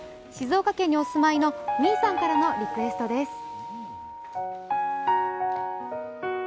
静岡県にお住まいの、みーさんからのリクエストです。